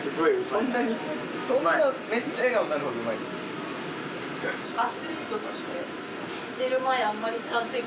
そんなめっちゃ笑顔になるほどうまい？